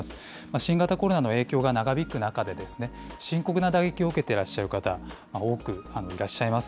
新型コロナの影響が長引く中で、深刻な打撃を受けていらっしゃる方、多くいらっしゃいます。